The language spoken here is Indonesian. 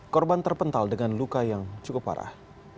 korban terpental dengan luka yang cukup parah